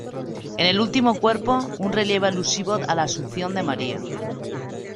En el último cuerpo, un relieve alusivo a la Asunción de María.